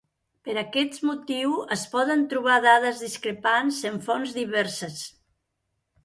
Per aquest motiu es poden trobar dades discrepants en fonts diverses.